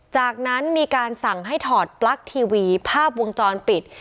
จากนั้นมีการสั่งให้ถอดปลั๊กทีวีภาพวงจรปิด